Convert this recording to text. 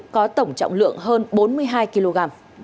có tổng trọng lượng hơn bốn mươi hai kg